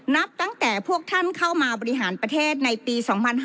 นับตั้งแต่พวกท่านเข้ามาบริหารประเทศในปี๒๕๕๙